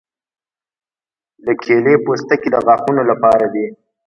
د کیلې پوستکي د غاښونو لپاره دي.